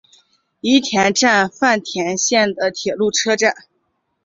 宫田站饭田线的铁路车站。